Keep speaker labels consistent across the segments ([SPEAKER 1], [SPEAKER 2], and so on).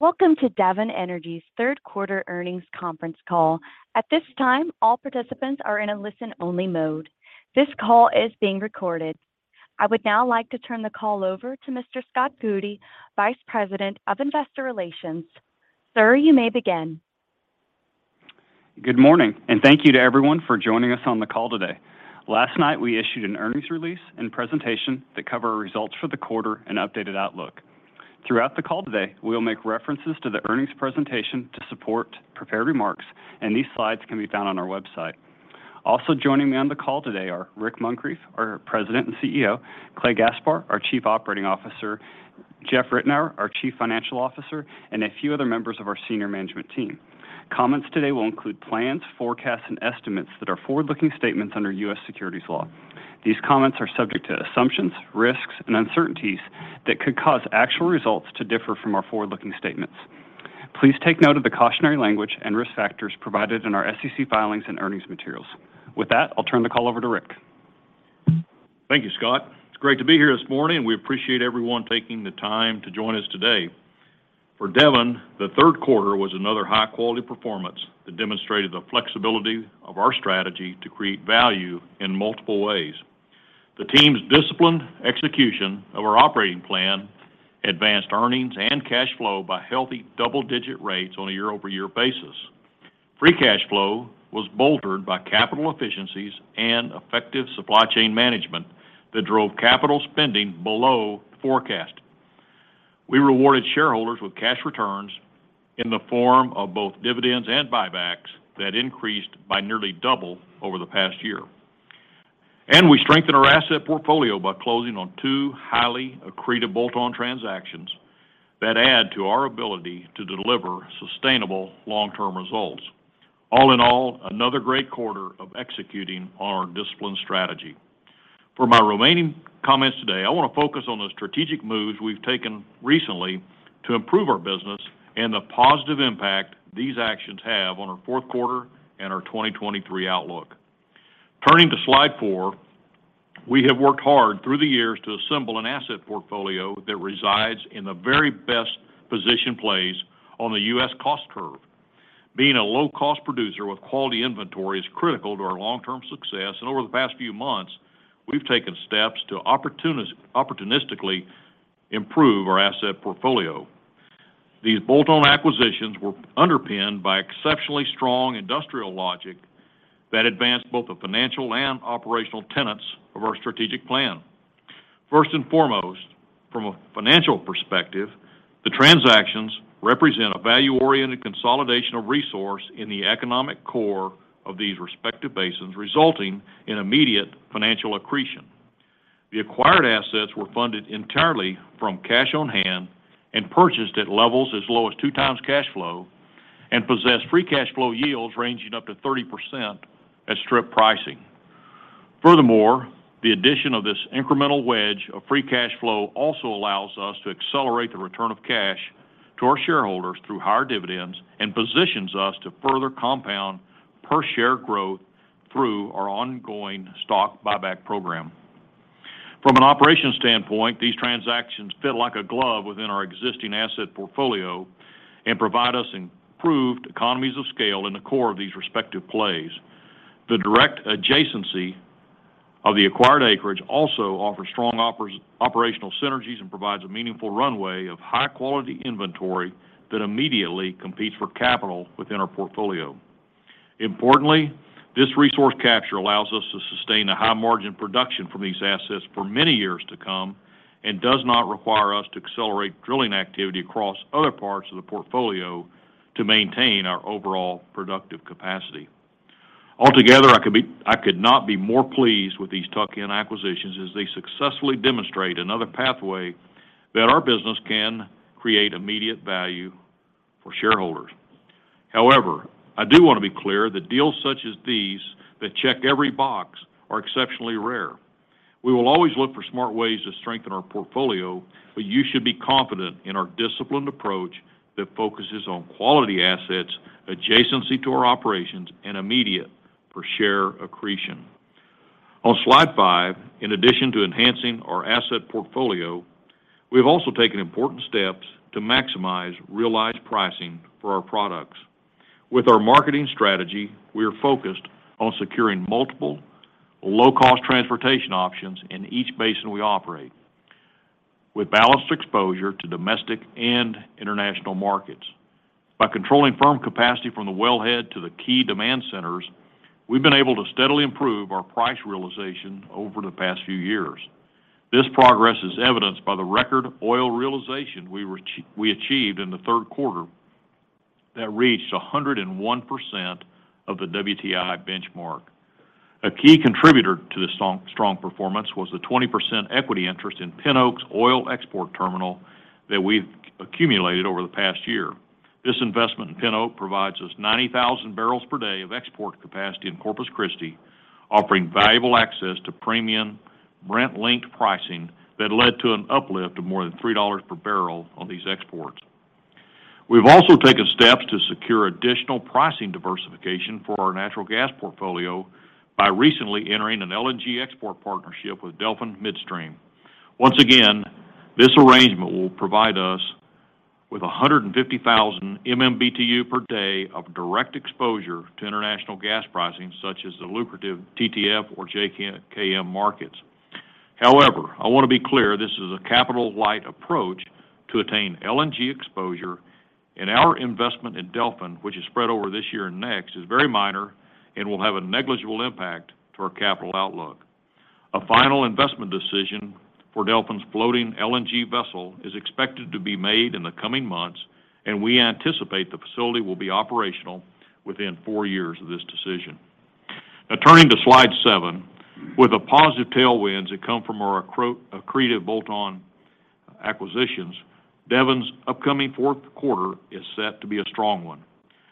[SPEAKER 1] Welcome to Devon Energy's Third Quarter Earnings Conference call. At this time, all participants are in a listen-only mode. This call is being recorded. I would now like to turn the call over to Mr. Scott Coody, Vice President of Investor Relations. Sir, you may begin.
[SPEAKER 2] Good morning, and thank you to everyone for joining us on the call today. Last night, we issued an earnings release and presentation that cover our results for the quarter and updated outlook. Throughout the call today, we will make references to the earnings presentation to support prepared remarks, and these slides can be found on our website. Also joining me on the call today are Rick Muncrief, our President and CEO, Clay Gaspar, our Chief Operating Officer, Jeff Ritenour, our Chief Financial Officer, and a few other members of our senior management team. Comments today will include plans, forecasts, and estimates that are forward-looking statements under U.S. securities law. These comments are subject to assumptions, risks, and uncertainties that could cause actual results to differ from our forward-looking statements. Please take note of the cautionary language and risk factors provided in our SEC filings and earnings materials. With that, I'll turn the call over to Rick.
[SPEAKER 3] Thank you, Scott. It's great to be here this morning, and we appreciate everyone taking the time to join us today. For Devon, the third quarter was another high-quality performance that demonstrated the flexibility of our strategy to create value in multiple ways. The team's disciplined execution of our operating plan advanced earnings and cash flow by healthy double-digit rates on a year-over-year basis. Free cash flow was bolstered by capital efficiencies and effective supply chain management that drove capital spending below forecast. We rewarded shareholders with cash returns in the form of both dividends and buybacks that increased by nearly double over the past year. We strengthened our asset portfolio by closing on two highly accretive bolt-on transactions that add to our ability to deliver sustainable long-term results. All in all, another great quarter of executing on our disciplined strategy. For my remaining comments today, I wanna focus on the strategic moves we've taken recently to improve our business and the positive impact these actions have on our fourth quarter and our 2023 outlook. Turning to slide four, we have worked hard through the years to assemble an asset portfolio that resides in the very best position plays on the U.S. cost curve. Being a low-cost producer with quality inventory is critical to our long-term success, and over the past few months, we've taken steps to opportunistically improve our asset portfolio. These bolt-on acquisitions were underpinned by exceptionally strong industrial logic that advanced both the financial and operational tenets of our strategic plan. First and foremost, from a financial perspective, the transactions represent a value-oriented consolidation of resource in the economic core of these respective basins, resulting in immediate financial accretion. The acquired assets were funded entirely from cash on hand and purchased at levels as low as 2x cash flow and possess free cash flow yields ranging up to 30% at strip pricing. Furthermore, the addition of this incremental wedge of free cash flow also allows us to accelerate the return of cash to our shareholders through higher dividends and positions us to further compound per share growth through our ongoing stock buyback program. From an operations standpoint, these transactions fit like a glove within our existing asset portfolio and provide us improved economies of scale in the core of these respective plays. The direct adjacency of the acquired acreage also offers strong operational synergies and provides a meaningful runway of high-quality inventory that immediately competes for capital within our portfolio. Importantly, this resource capture allows us to sustain a high margin production from these assets for many years to come and does not require us to accelerate drilling activity across other parts of the portfolio to maintain our overall productive capacity. Altogether, I could not be more pleased with these tuck-in acquisitions as they successfully demonstrate another pathway that our business can create immediate value for shareholders. However, I do wanna be clear that deals such as these that check every box are exceptionally rare. We will always look for smart ways to strengthen our portfolio, but you should be confident in our disciplined approach that focuses on quality assets, adjacency to our operations, and immediate per share accretion. On slide five, in addition to enhancing our asset portfolio, we've also taken important steps to maximize realized pricing for our products. With our marketing strategy, we are focused on securing multiple low-cost transportation options in each basin we operate with balanced exposure to domestic and international markets. By controlling firm capacity from the wellhead to the key demand centers, we've been able to steadily improve our price realization over the past few years. This progress is evidenced by the record oil realization we achieved in the third quarter that reached 101% of the WTI benchmark. A key contributor to the strong performance was the 20% equity interest in Pin Oak's oil export terminal that we've accumulated over the past year. This investment in Pin Oak provides us 90,000 barrels per day of export capacity in Corpus Christi, offering valuable access to premium Brent-linked pricing that led to an uplift of more than $3 per barrel on these exports. We've also taken steps to secure additional pricing diversification for our natural gas portfolio by recently entering an LNG export partnership with Delfin Midstream. Once again, this arrangement will provide us with 150,000 MMBtu per day of direct exposure to international gas pricing, such as the lucrative TTF or JKM markets. However, I wanna be clear, this is a capital-light approach to attain LNG exposure, and our investment in Delfin, which is spread over this year and next, is very minor and will have a negligible impact to our capital outlook. A final investment decision for Delfin's floating LNG vessel is expected to be made in the coming months, and we anticipate the facility will be operational within four years of this decision. Now, turning to slide seven, with the positive tailwinds that come from our accretive bolt-on acquisitions, Devon's upcoming fourth quarter is set to be a strong one.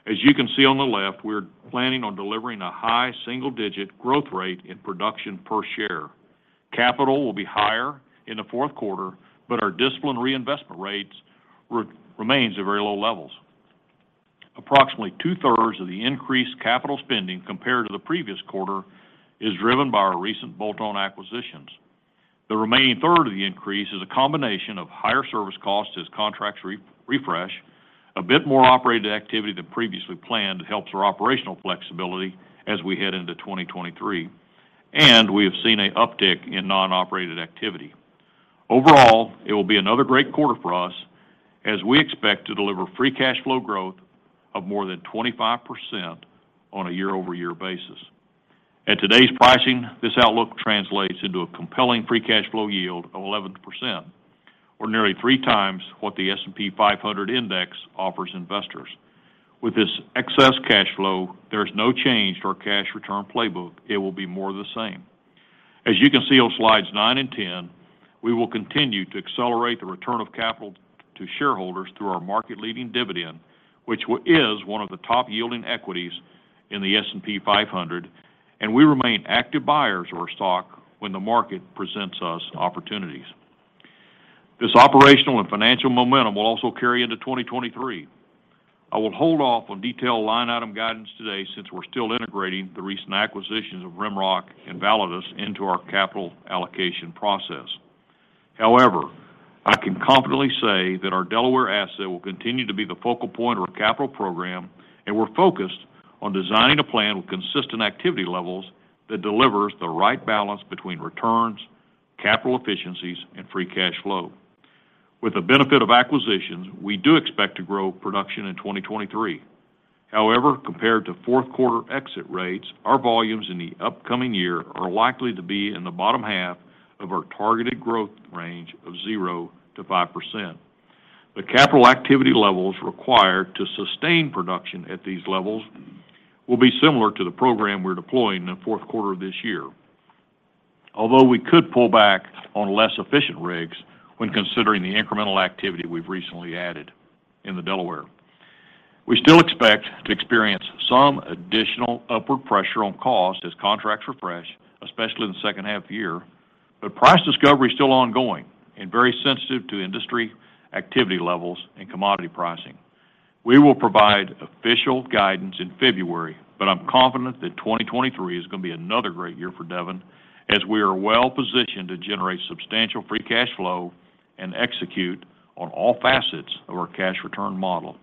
[SPEAKER 3] As you can see on the left, we're planning on delivering a high single-digit growth rate in production per share. Capital will be higher in the fourth quarter, but our disciplined reinvestment rates remains at very low levels. Approximately two-thirds of the increased capital spending compared to the previous quarter is driven by our recent bolt-on acquisitions. The remaining third of the increase is a combination of higher service costs as contracts refresh, a bit more operated activity than previously planned that helps our operational flexibility as we head into 2023, and we have seen an uptick in non-operated activity. Overall, it will be another great quarter for us as we expect to deliver free cash flow growth of more than 25% on a year-over-year basis. At today's pricing, this outlook translates into a compelling free cash flow yield of 11%. Ordinarily, 3 times what the S&P 500 offers investors. With this excess cash flow, there's no change to our cash return playbook. It will be more of the same. As you can see on slides nine and 10, we will continue to accelerate the return of capital to shareholders through our market-leading dividend, which is one of the top yielding equities in the S&P 500, and we remain active buyers of our stock when the market presents us opportunities. This operational and financial momentum will also carry into 2023. I will hold off on detailed line item guidance today since we're still integrating the recent acquisitions of RimRock and Validus into our capital allocation process. However, I can confidently say that our Delaware asset will continue to be the focal point of our capital program, and we're focused on designing a plan with consistent activity levels that delivers the right balance between returns, capital efficiencies, and free cash flow. With the benefit of acquisitions, we do expect to grow production in 2023. However, compared to fourth quarter exit rates, our volumes in the upcoming year are likely to be in the bottom half of our targeted growth range of 0%-5%. The capital activity levels required to sustain production at these levels will be similar to the program we're deploying in the fourth quarter of this year. Although we could pull back on less efficient rigs when considering the incremental activity we've recently added in the Delaware. We still expect to experience some additional upward pressure on cost as contracts refresh, especially in the second half year, but price discovery is still ongoing and very sensitive to industry activity levels and commodity pricing. We will provide official guidance in February, but I'm confident that 2023 is gonna be another great year for Devon, as we are well-positioned to generate substantial free cash flow and execute on all facets of our cash return model.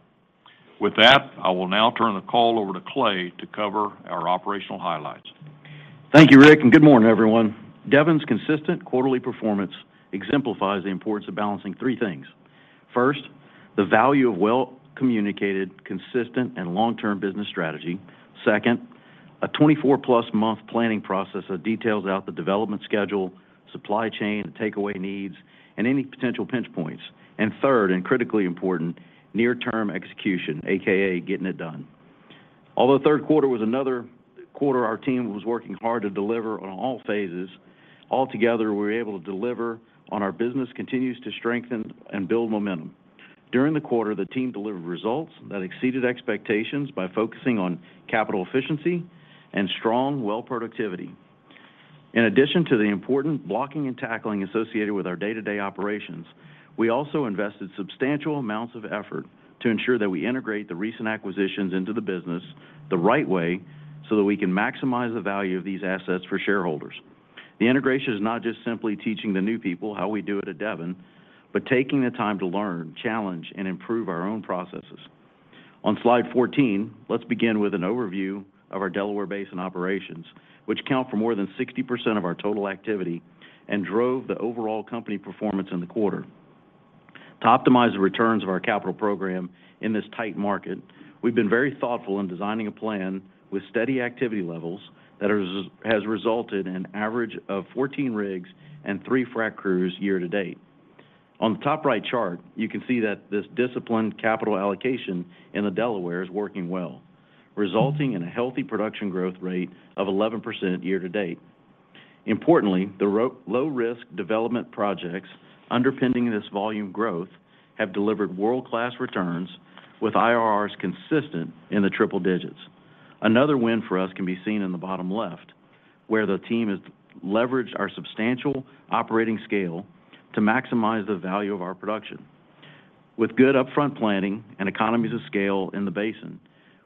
[SPEAKER 3] With that, I will now turn the call over to Clay to cover our operational highlights.
[SPEAKER 4] Thank you, Rick, and good morning, everyone. Devon's consistent quarterly performance exemplifies the importance of balancing three things. First, the value of well-communicated, consistent, and long-term business strategy. Second, a 24+ month planning process that details out the development schedule, supply chain, takeaway needs, and any potential pinch points. And third, and critically important, near term execution, AKA getting it done. Although third quarter was another quarter our team was working hard to deliver on all phases, altogether we were able to deliver on our business continues to strengthen and build momentum. During the quarter, the team delivered results that exceeded expectations by focusing on capital efficiency and strong well productivity. In addition to the important blocking and tackling associated with our day-to-day operations, we also invested substantial amounts of effort to ensure that we integrate the recent acquisitions into the business the right way so that we can maximize the value of these assets for shareholders. The integration is not just simply teaching the new people how we do it at Devon, but taking the time to learn, challenge, and improve our own processes. On slide 14, let's begin with an overview of our Delaware Basin operations, which count for more than 60% of our total activity and drove the overall company performance in the quarter. To optimize the returns of our capital program in this tight market, we've been very thoughtful in designing a plan with steady activity levels that has resulted in an average of 14 rigs and 3 frac crews year to date. On the top right chart, you can see that this disciplined capital allocation in the Delaware is working well, resulting in a healthy production growth rate of 11% year to date. Importantly, the low risk development projects underpinning this volume growth have delivered world-class returns with IRRs consistent in the triple digits. Another win for us can be seen in the bottom left, where the team has leveraged our substantial operating scale to maximize the value of our production. With good upfront planning and economies of scale in the basin,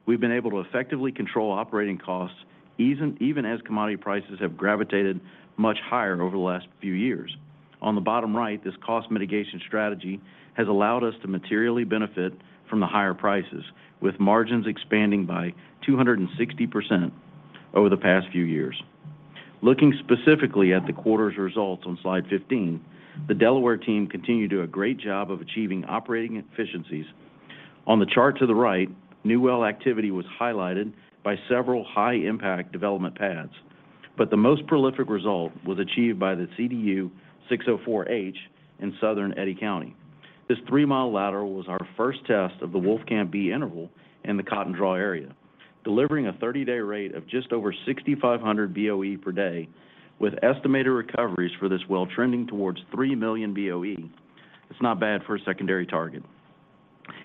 [SPEAKER 4] we've been able to effectively control operating costs, even as commodity prices have gravitated much higher over the last few years. On the bottom right, this cost mitigation strategy has allowed us to materially benefit from the higher prices, with margins expanding by 260% over the past few years. Looking specifically at the quarter's results on slide 15, the Delaware team continued to do a great job of achieving operating efficiencies. On the chart to the right, new well activity was highlighted by several high impact development pads. The most prolific result was achieved by the CDU 604H in Southern Eddy County. This 3-mile lateral was our first test of the Wolfcamp B interval in the Cotton Draw area, delivering a 30-day rate of just over 6,500 BOE per day, with estimated recoveries for this well trending towards 3 million BOE. It's not bad for a secondary target.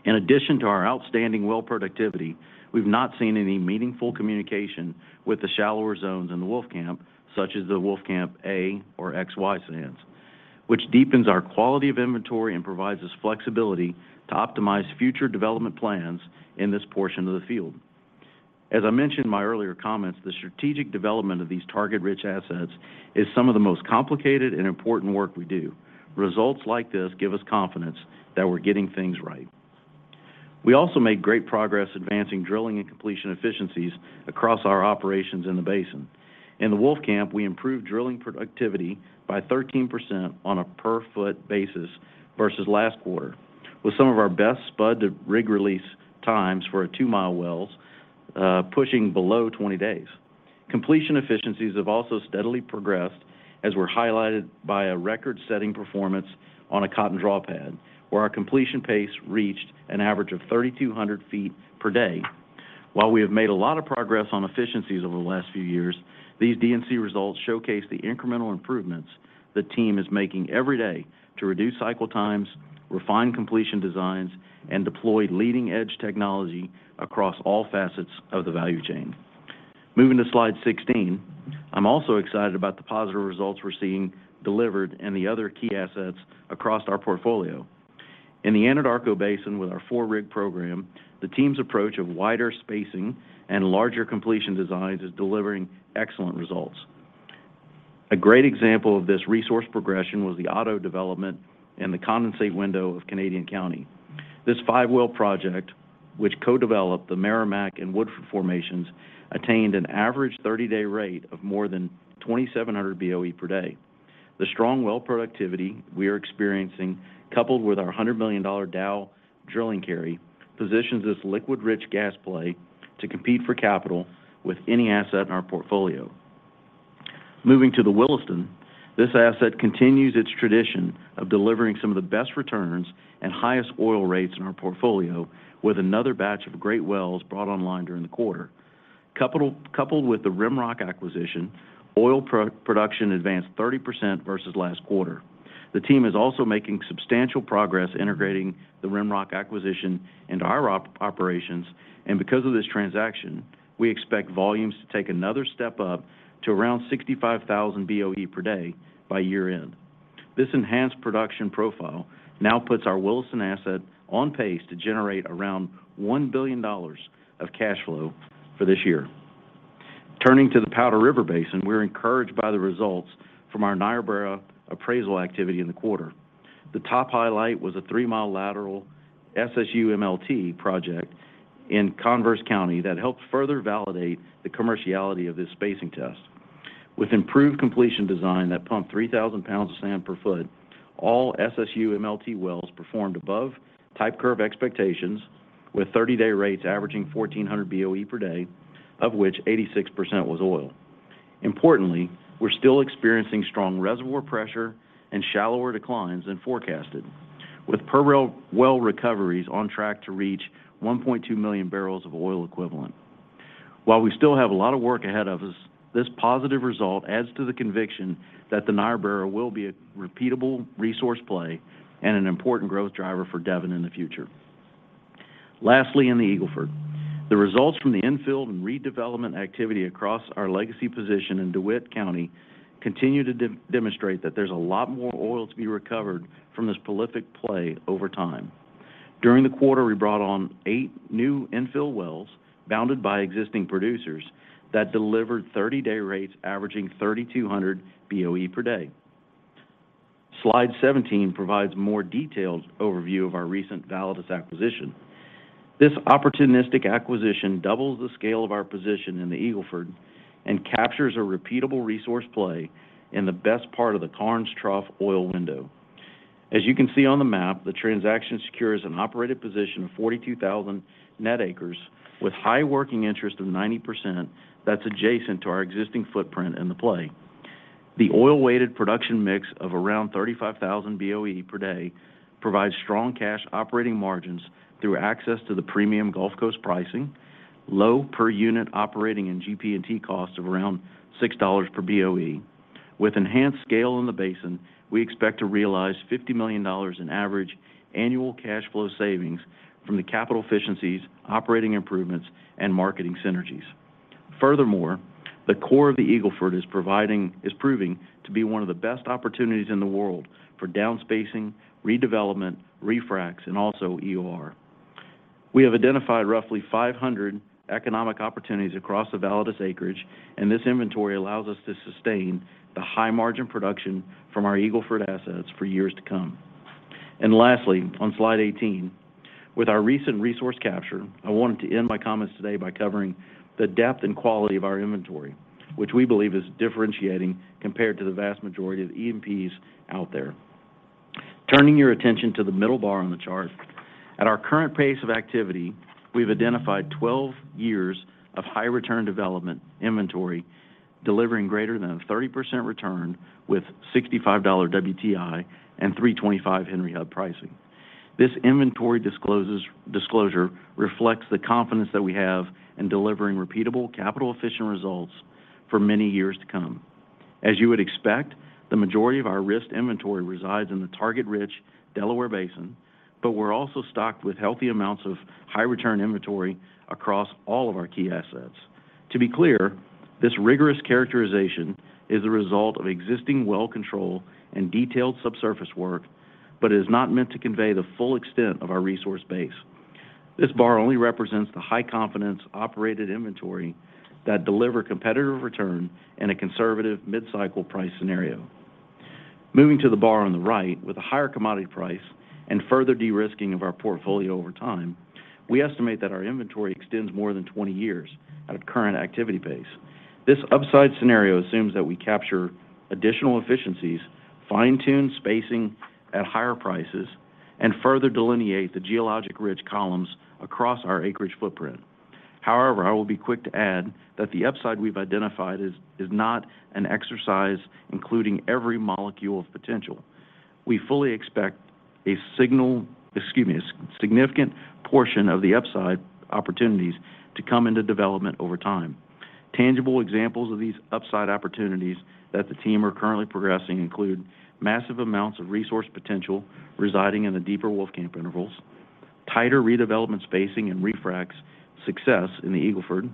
[SPEAKER 4] In addition to our outstanding well productivity, we've not seen any meaningful communication with the shallower zones in the Wolfcamp, such as the Wolfcamp A or XY sands, which deepens our quality of inventory and provides us flexibility to optimize future development plans in this portion of the field. As I mentioned in my earlier comments, the strategic development of these target-rich assets is some of the most complicated and important work we do. Results like this give us confidence that we're getting things right. We also made great progress advancing drilling and completion efficiencies across our operations in the basin. In the Wolfcamp, we improved drilling productivity by 13% on a per foot basis versus last quarter, with some of our best spud to rig release times for our two-mile wells, pushing below 20 days. Completion efficiencies have also steadily progressed, as were highlighted by a record-setting performance on a Cotton Draw pad, where our completion pace reached an average of 3,200 feet per day. While we have made a lot of progress on efficiencies over the last few years, these D&C results showcase the incremental improvements the team is making every day to reduce cycle times, refine completion designs, and deploy leading-edge technology across all facets of the value chain. Moving to slide 16, I'm also excited about the positive results we're seeing delivered in the other key assets across our portfolio. In the Anadarko Basin with our four-rig program, the team's approach of wider spacing and larger completion designs is delivering excellent results. A great example of this resource progression was the Otto development in the condensate window of Canadian County. This five-well project, which co-developed the Meramec and Woodford formations, attained an average thirty-day rate of more than 2,700 BOE per day. The strong well productivity we are experiencing, coupled with our $100 million Dow drilling carry, positions this liquid-rich gas play to compete for capital with any asset in our portfolio. Moving to the Williston, this asset continues its tradition of delivering some of the best returns and highest oil rates in our portfolio with another batch of great wells brought online during the quarter. Coupled with the RimRock acquisition, oil production advanced 30% versus last quarter. The team is also making substantial progress integrating the RimRock acquisition into our operations. Because of this transaction, we expect volumes to take another step up to around 65,000 BOE per day by year-end. This enhanced production profile now puts our Williston asset on pace to generate around $1 billion of cash flow for this year. Turning to the Powder River Basin, we're encouraged by the results from our Niobrara appraisal activity in the quarter. The top highlight was a 3-mile lateral simul-frac project in Converse County that helped further validate the commerciality of this spacing test. With improved completion design that pumped 3,000 pounds of sand per foot, all simul-frac wells performed above type curve expectations with 30-day rates averaging 1,400 BOE per day, of which 86% was oil. Importantly, we're still experiencing strong reservoir pressure and shallower declines than forecasted, with per well, well recoveries on track to reach 1.2 million barrels of oil equivalent. While we still have a lot of work ahead of us, this positive result adds to the conviction that the Niobrara will be a repeatable resource play and an important growth driver for Devon in the future. Lastly, in the Eagle Ford, the results from the infill and redevelopment activity across our legacy position in DeWitt County continue to de-demonstrate that there's a lot more oil to be recovered from this prolific play over time. During the quarter, we brought on eight new infill wells bounded by existing producers that delivered 30-day rates averaging 3,200 BOE per day. Slide 17 provides a more detailed overview of our recent Validus acquisition. This opportunistic acquisition doubles the scale of our position in the Eagle Ford and captures a repeatable resource play in the best part of the Karnes Trough oil window. As you can see on the map, the transaction secures an operated position of 42,000 net acres with high working interest of 90% that's adjacent to our existing footprint in the play. The oil-weighted production mix of around 35,000 BOE per day provides strong cash operating margins through access to the premium Gulf Coast pricing, low per-unit operating and GP&T costs of around $6 per BOE. With enhanced scale in the basin, we expect to realize $50 million in average annual cash flow savings from the capital efficiencies, operating improvements, and marketing synergies. Furthermore, the core of the Eagle Ford is proving to be one of the best opportunities in the world for downspacing, redevelopment, refracs, and also EOR. We have identified roughly 500 economic opportunities across the Validus acreage, and this inventory allows us to sustain the high margin production from our Eagle Ford assets for years to come. Lastly, on slide 18, with our recent resource capture, I wanted to end my comments today by covering the depth and quality of our inventory, which we believe is differentiating compared to the vast majority of E&Ps out there. Turning your attention to the middle bar on the chart, at our current pace of activity, we've identified 12 years of high return development inventory delivering greater than a 30% return with $65 WTI and $3.25 Henry Hub pricing. This disclosure reflects the confidence that we have in delivering repeatable capital efficient results for many years to come. As you would expect, the majority of our risked inventory resides in the target-rich Delaware Basin, but we're also stocked with healthy amounts of high return inventory across all of our key assets. To be clear, this rigorous characterization is a result of existing well control and detailed subsurface work, but is not meant to convey the full extent of our resource base. This bar only represents the high confidence operated inventory that deliver competitive return in a conservative mid-cycle price scenario. Moving to the bar on the right, with a higher commodity price and further de-risking of our portfolio over time, we estimate that our inventory extends more than 20 years at a current activity pace. This upside scenario assumes that we capture additional efficiencies, fine-tune spacing at higher prices, and further delineate the geologic ridge columns across our acreage footprint. However, I will be quick to add that the upside we've identified is not an exercise including every molecule of potential. We fully expect a significant portion of the upside opportunities to come into development over time. Tangible examples of these upside opportunities that the team are currently progressing include massive amounts of resource potential residing in the deeper Wolfcamp intervals, tighter redevelopment spacing and refracs success in the Eagle Ford,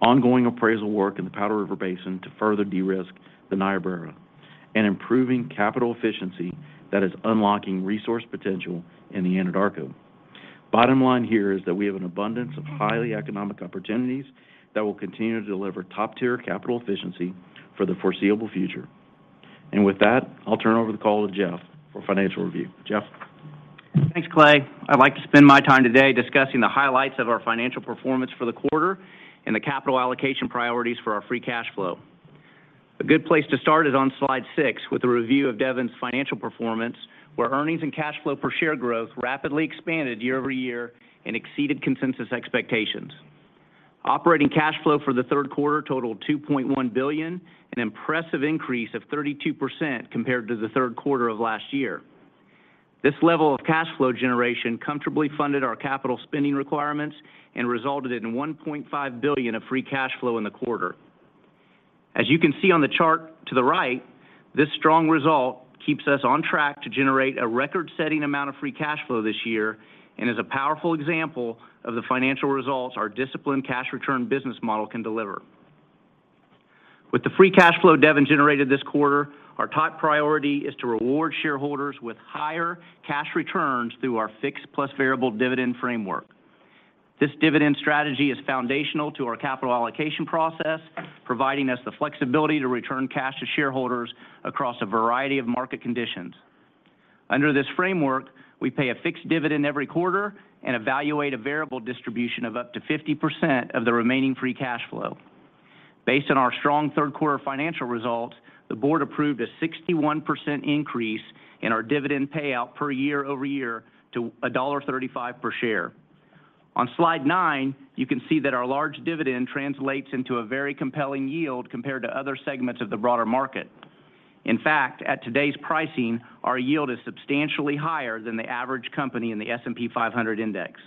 [SPEAKER 4] ongoing appraisal work in the Powder River Basin to further de-risk the Niobrara, and improving capital efficiency that is unlocking resource potential in the Anadarko. Bottom line here is that we have an abundance of highly economic opportunities that will continue to deliver top-tier capital efficiency for the foreseeable future. With that, I'll turn over the call to Jeff for financial review. Jeff?
[SPEAKER 5] Thanks, Clay. I'd like to spend my time today discussing the highlights of our financial performance for the quarter and the capital allocation priorities for our free cash flow. A good place to start is on slide six with a review of Devon's financial performance, where earnings and cash flow per share growth rapidly expanded year-over-year and exceeded consensus expectations. Operating cash flow for the third quarter totaled $2.1 billion, an impressive increase of 32% compared to the third quarter of last year. This level of cash flow generation comfortably funded our capital spending requirements and resulted in $1.5 billion of free cash flow in the quarter. As you can see on the chart to the right, this strong result keeps us on track to generate a record-setting amount of free cash flow this year and is a powerful example of the financial results our disciplined cash return business model can deliver. With the free cash flow Devon generated this quarter, our top priority is to reward shareholders with higher cash returns through our fixed plus variable dividend framework. This dividend strategy is foundational to our capital allocation process, providing us the flexibility to return cash to shareholders across a variety of market conditions. Under this framework, we pay a fixed dividend every quarter and evaluate a variable distribution of up to 50% of the remaining free cash flow. Based on our strong third quarter financial results, the board approved a 61% increase in our dividend payout year-over-year to $1.35 per share. On slide nine, you can see that our large dividend translates into a very compelling yield compared to other segments of the broader market. In fact, at today's pricing, our yield is substantially higher than the average company in the S&P 500 index.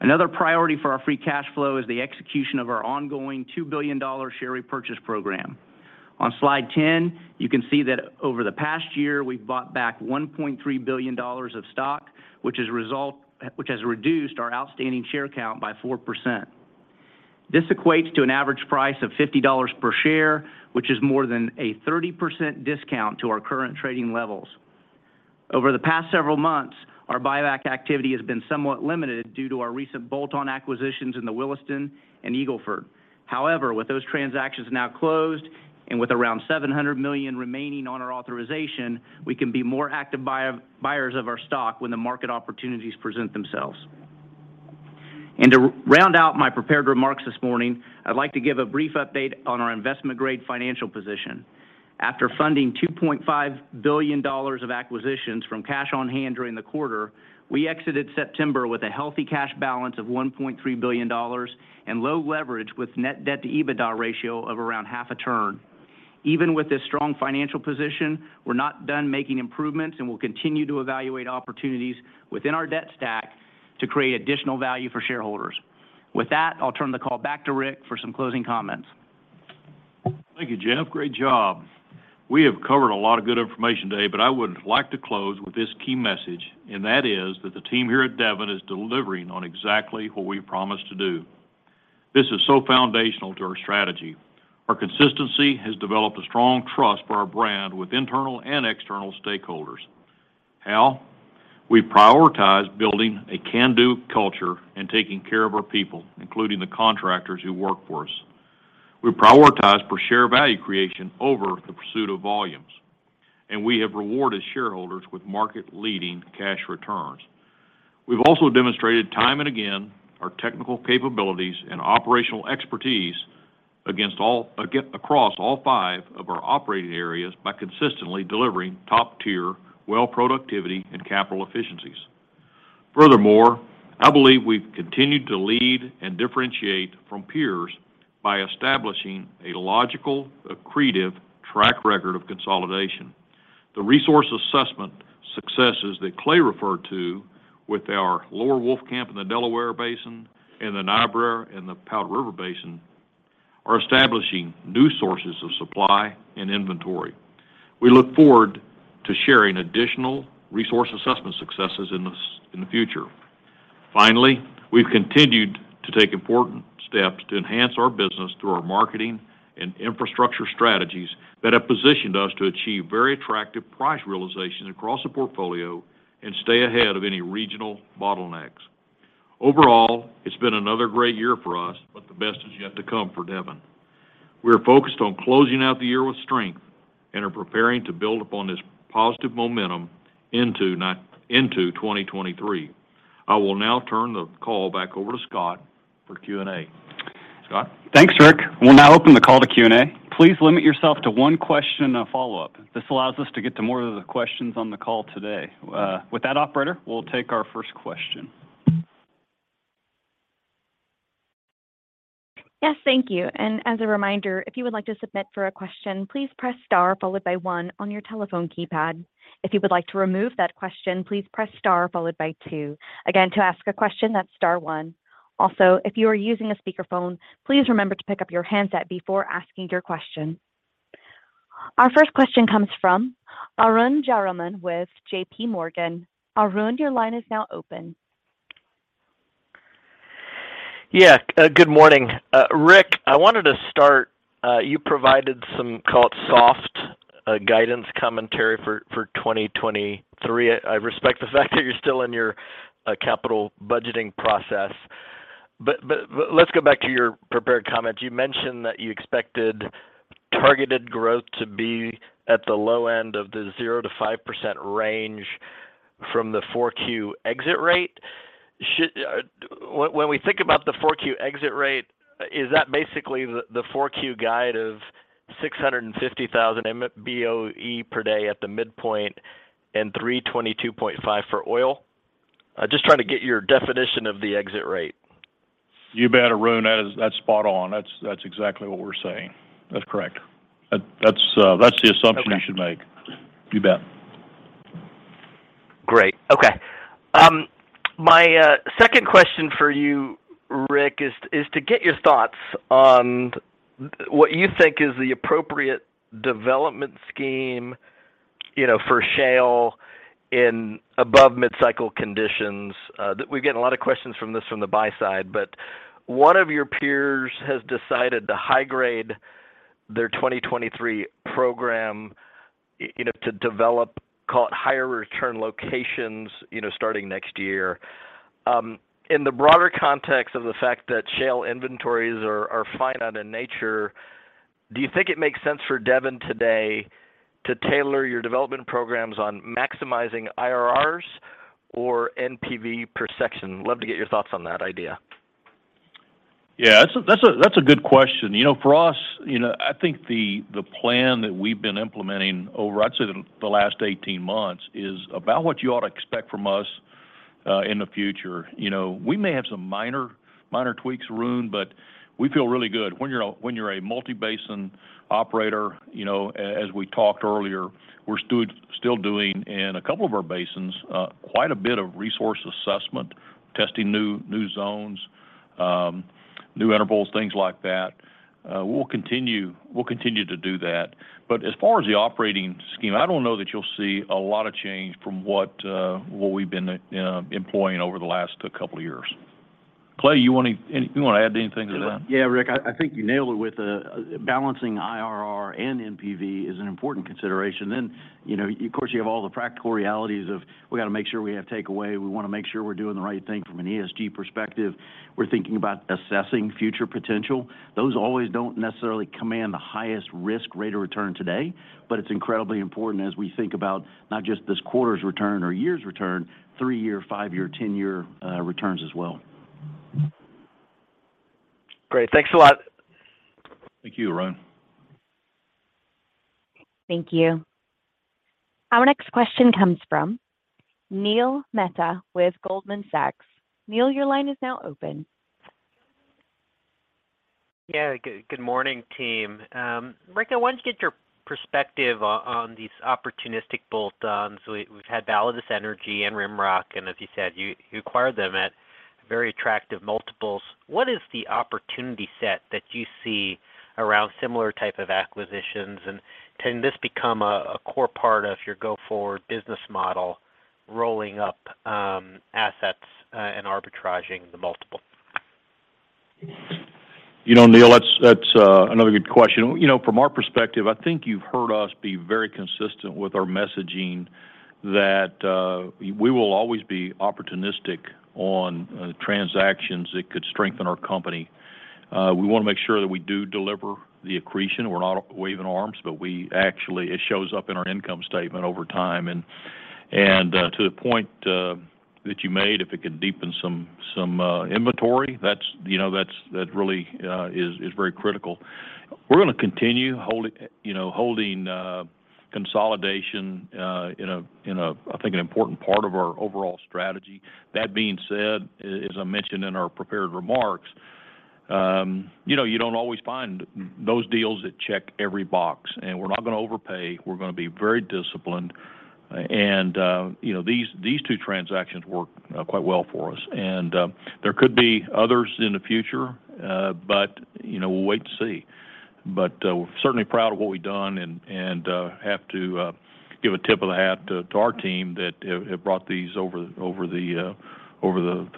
[SPEAKER 5] Another priority for our free cash flow is the execution of our ongoing $2 billion share repurchase program. On slide 10, you can see that over the past year, we've bought back $1.3 billion of stock, which has reduced our outstanding share count by 4%. This equates to an average price of $50 per share, which is more than a 30% discount to our current trading levels. Over the past several months, our buyback activity has been somewhat limited due to our recent bolt-on acquisitions in the Williston and Eagle Ford. However, with those transactions now closed and with around $700 million remaining on our authorization, we can be more active buyers of our stock when the market opportunities present themselves. To round out my prepared remarks this morning, I'd like to give a brief update on our investment-grade financial position. After funding $2.5 billion of acquisitions from cash on hand during the quarter, we exited September with a healthy cash balance of $1.3 billion and low leverage with net debt-to-EBITDA ratio of around half a turn. Even with this strong financial position, we're not done making improvements, and we'll continue to evaluate opportunities within our debt stack to create additional value for shareholders. With that, I'll turn the call back to Rick for some closing comments.
[SPEAKER 3] Thank you, Jeff. Great job. We have covered a lot of good information today, but I would like to close with this key message, and that is that the team here at Devon is delivering on exactly what we promised to do. This is so foundational to our strategy. Our consistency has developed a strong trust for our brand with internal and external stakeholders. How? We prioritize building a can-do culture and taking care of our people, including the contractors who work for us. We prioritize per share value creation over the pursuit of volumes, and we have rewarded shareholders with market-leading cash returns. We've also demonstrated time and again our technical capabilities and operational expertise across all five of our operating areas by consistently delivering top-tier well productivity and capital efficiencies. Furthermore, I believe we've continued to lead and differentiate from peers by establishing a logical, accretive track record of consolidation. The resource assessment successes that Clay referred to with our Lower Wolfcamp in the Delaware Basin and the Niobrara in the Powder River Basin are establishing new sources of supply and inventory. We look forward to sharing additional resource assessment successes in the future. Finally, we've continued to take important steps to enhance our business through our marketing and infrastructure strategies that have positioned us to achieve very attractive price realization across the portfolio and stay ahead of any regional bottlenecks. Overall, it's been another great year for us, but the best is yet to come for Devon. We are focused on closing out the year with strength and are preparing to build upon this positive momentum into 2023. I will now turn the call back over to Scott for Q&A. Scott?
[SPEAKER 2] Thanks, Rick. We'll now open the call to Q&A. Please limit yourself to one question and a follow-up. This allows us to get to more of the questions on the call today. With that, operator, we'll take our first question.
[SPEAKER 1] Yes, thank you, and as a reminder, if you would like to submit for a question, please press star followed by one on your telephone keypad. If you would like to remove that question, please press star followed by two. Again, to ask a question, that's star one. Also, if you are using a speakerphone, please remember to pick up your handset before asking your question. Our first question comes from Arun Jayaram with J.P. Morgan. Arun, your line is now open.
[SPEAKER 6] Yeah, good morning. Rick, I wanted to start, you provided some, call it, soft, guidance commentary for 2023. I respect the fact that you're still in your capital budgeting process, but let's go back to your prepared comments. You mentioned that you expected targeted growth to be at the low end of the 0%-5% range from the 4Q exit rate. When we think about the 4Q exit rate, is that basically the 4Q guide of 650,000 MBOE per day at the midpoint and 322.5 for oil? I'm just trying to get your definition of the exit rate.
[SPEAKER 3] You bet, Arun. That's spot on. That's the assumption.
[SPEAKER 6] Okay.
[SPEAKER 3] You should make. You bet.
[SPEAKER 6] Great. Okay. My second question for you, Rick, is to get your thoughts on what you think is the appropriate development scheme, you know, for shale in above mid-cycle conditions. We've gotten a lot of questions on this from the buy side, but one of your peers has decided to high-grade their 2023 program you know, to develop, call it, higher return locations, you know, starting next year. In the broader context of the fact that shale inventories are finite in nature, do you think it makes sense for Devon today to tailor your development programs on maximizing IRRs or NPV per section? Love to get your thoughts on that idea.
[SPEAKER 3] Yeah, that's a good question. You know, for us, you know, I think the plan that we've been implementing over, I'd say, the last 18 months is about what you ought to expect from us in the future. You know, we may have some minor tweaks, Arun, but we feel really good. When you're a multi-basin operator, you know, as we talked earlier, we're still doing in a couple of our basins quite a bit of resource assessment, testing new zones, new intervals, things like that. We'll continue to do that. As far as the operating scheme, I don't know that you'll see a lot of change from what we've been employing over the last couple of years. Clay, you wanna add anything to that?
[SPEAKER 4] Yeah, Rick, I think you nailed it with balancing IRR and NPV is an important consideration. You know, of course, you have all the practical realities of we gotta make sure we have takeaway. We wanna make sure we're doing the right thing from an ESG perspective. We're thinking about assessing future potential. Those always don't necessarily command the highest risk-rated return today, but it's incredibly important as we think about not just this quarter's return or year's return, three-year, five-year, ten-year returns as well.
[SPEAKER 6] Great. Thanks a lot.
[SPEAKER 3] Thank you, Arun.
[SPEAKER 1] Thank you. Our next question comes from Neil Mehta with Goldman Sachs. Neil, your line is now open.
[SPEAKER 7] Yeah. Good morning, team. Rick, I wanted to get your perspective on these opportunistic bolt-ons. We've had Validus Energy and RimRock, and as you said, you acquired them at very attractive multiples. What is the opportunity set that you see around similar type of acquisitions, and can this become a core part of your go-forward business model? Rolling up assets and arbitraging the multiple.
[SPEAKER 3] You know, Neil, that's another good question. You know, from our perspective, I think you've heard us be very consistent with our messaging that we will always be opportunistic on transactions that could strengthen our company. We wanna make sure that we do deliver the accretion. We're not waving arms, but we actually. It shows up in our income statement over time. To the point that you made, if it could deepen some inventory, that's, you know, that really is very critical. We're gonna continue holding, you know, consolidation in a, I think, an important part of our overall strategy. That being said, as I mentioned in our prepared remarks, you know, you don't always find those deals that check every box, and we're not gonna overpay. We're gonna be very disciplined and, you know, these two transactions work quite well for us. There could be others in the future, but you know, we'll wait to see. We're certainly proud of what we've done and have to give a tip of the hat to our team that have brought these over the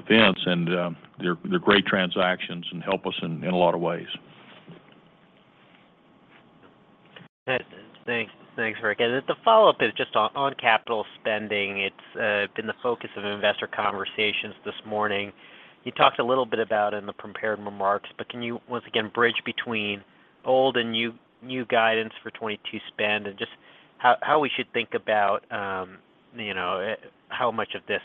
[SPEAKER 3] fence and they're great transactions and help us in a lot of ways.
[SPEAKER 7] Thanks. Thanks, Rick. The follow-up is just on capital spending. It's been the focus of investor conversations this morning. You talked a little bit about in the prepared remarks, but can you once again bridge between old and new guidance for 2022 spend and just how we should think about, you know, how much of this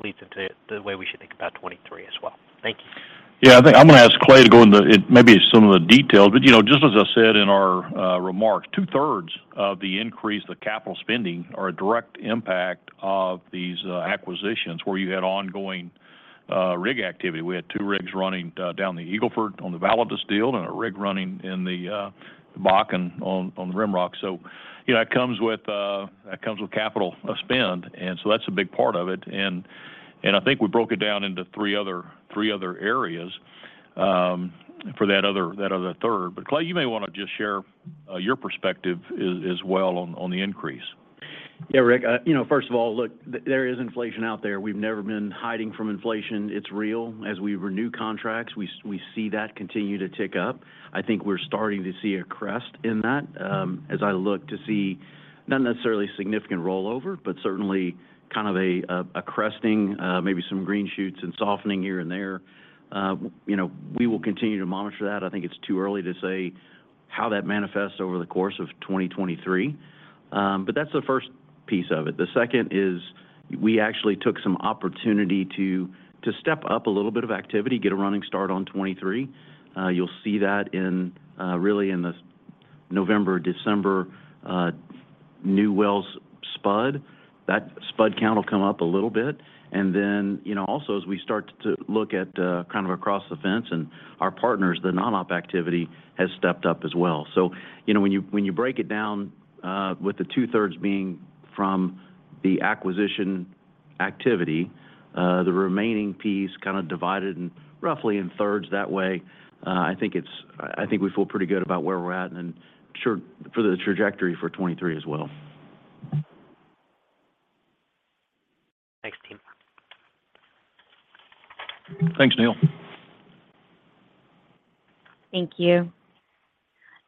[SPEAKER 7] bleeds into the way we should think about 2023 as well? Thank you.
[SPEAKER 3] Yeah. I think I'm gonna ask Clay to go into it, maybe some of the details. You know, just as I said in our remarks, two-thirds of the increase, the capital spending are a direct impact of these acquisitions where you had ongoing rig activity. We had two rigs running down the Eagle Ford on the Validus and a rig running in the Bakken on the RimRock. You know, it comes with capital spend, and that's a big part of it. I think we broke it down into three other areas for that other third. Clay, you may wanna just share your perspective as well on the increase.
[SPEAKER 4] Yeah, Rick. You know, first of all, look, there is inflation out there. We've never been hiding from inflation. It's real. As we renew contracts, we see that continue to tick up. I think we're starting to see a crest in that, as I look to see not necessarily significant rollover, but certainly kind of a cresting, maybe some green shoots and softening here and there. You know, we will continue to monitor that. I think it's too early to say how that manifests over the course of 2023. That's the first piece of it. The second is we actually took some opportunity to step up a little bit of activity, get a running start on 2023. You'll see that in really in the November, December, new wells spud. That spud count will come up a little bit. You know, also as we start to look at kind of across the fence and our partners, the non-op activity has stepped up as well. You know, when you break it down with the two-thirds being from the acquisition activity, the remaining piece kinda divided roughly in thirds that way, I think we feel pretty good about where we're at and sure for the trajectory for 2023 as well.
[SPEAKER 7] Thanks, team.
[SPEAKER 3] Thanks, Neil.
[SPEAKER 1] Thank you.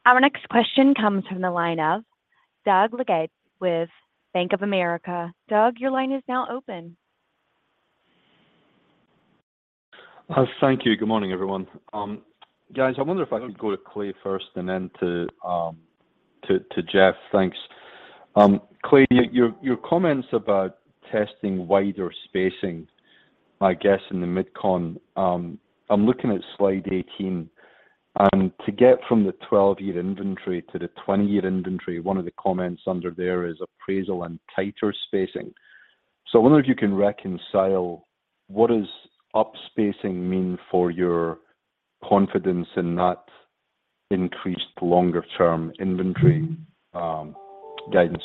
[SPEAKER 1] Our next question comes from the line of Doug Leggate with Bank of America. Doug, your line is now open.
[SPEAKER 8] Thank you. Good morning, everyone. Guys, I wonder if I could go to Clay first and then to Jeff. Thanks. Clay, your comments about testing wider spacing, my guess in the MidCon, I'm looking at slide 18. To get from the 12-year inventory to the 20-year inventory, one of the comments under there is appraisal and tighter spacing. I wonder if you can reconcile what does upspacing mean for your confidence in that increased longer term inventory guidance?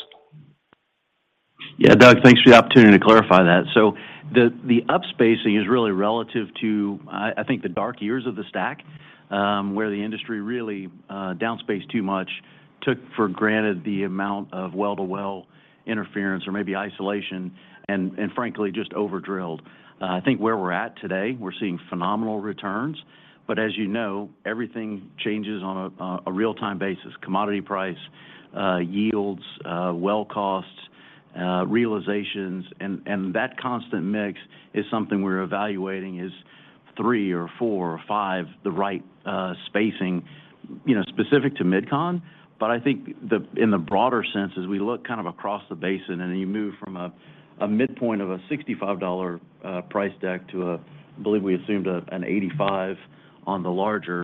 [SPEAKER 4] Yeah. Doug, thanks for the opportunity to clarify that. The upspacing is really relative to, I think the dark years of the stack, where the industry really downspaced too much, took for granted the amount of well-to-well interference or maybe isolation, and frankly, just over-drilled. I think where we're at today, we're seeing phenomenal returns. As you know, everything changes on a real-time basis. Commodity price, yields, well costs, realizations, and that constant mix is something we're evaluating. Is three or four or five the right spacing, you know, specific to MidCon? I think the... In the broader sense, as we look kind of across the basin and you move from a midpoint of a $65 price deck to, I believe we assumed an $85 on the larger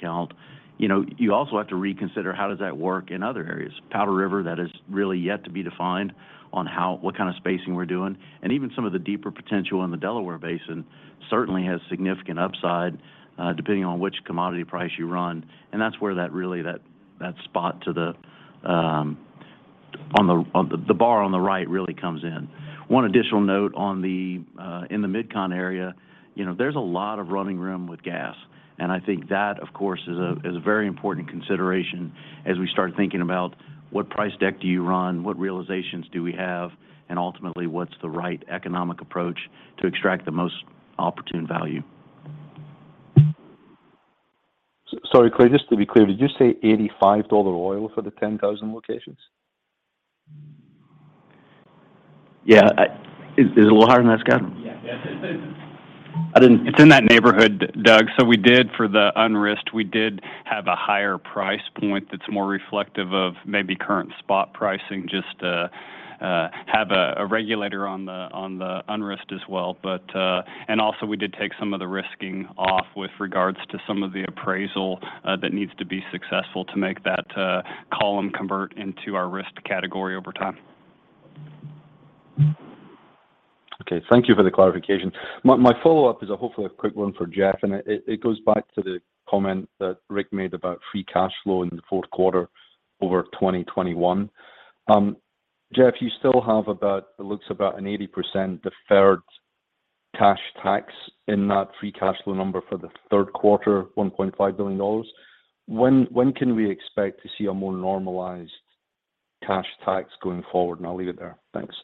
[SPEAKER 4] count. You know, you also have to reconsider how does that work in other areas. Powder River, that is really yet to be defined on how, what kind of spacing we're doing. Even some of the deeper potential in the Delaware Basin certainly has significant upside, depending on which commodity price you run. That's where that really spot to the on the bar on the right really comes in. One additional note on the MidCon area, you know, there's a lot of running room with gas, and I think that, of course, is a very important consideration as we start thinking about what price deck do you run, what realizations do we have, and ultimately, what's the right economic approach to extract the most opportune value?
[SPEAKER 8] Sorry, Clay, just to be clear, did you say $85 oil for the 10,000 locations?
[SPEAKER 4] Yeah. Is it a little higher than that, Scott?
[SPEAKER 2] Yeah.
[SPEAKER 4] I didn't-
[SPEAKER 2] It's in that neighborhood, Doug. We did for the unrisked have a higher price point that's more reflective of maybe current spot pricing, just to have a regulator on the unrisked as well. We did take some of the risking off with regards to some of the appraisal that needs to be successful to make that column convert into our risked category over time.
[SPEAKER 8] Okay. Thank you for the clarification. My follow-up is hopefully a quick one for Jeff, and it goes back to the comment that Rick made about free cash flow in the fourth quarter over 2021. Jeff, you still have about, it looks about an 80% deferred cash tax in that free cash flow number for the third quarter, $1.5 billion. When can we expect to see a more normalized cash tax going forward? I'll leave it there. Thanks.